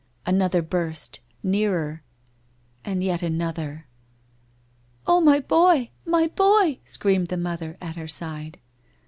Another burst ... nearer !... and yet another !...' Oh, my boy ! My boy !' screamed the mother at her side.